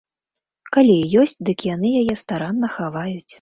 Калі і ёсць, дык яны яе старанна хаваюць.